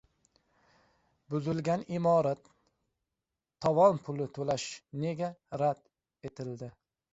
Buzilgan imorat. Tovon puli to‘lash nega rad etildi?